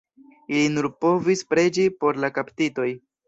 Ili nur povis preĝi por la kaptitoj.